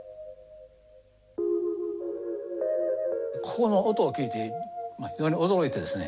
この音を聴いて非常に驚いてですね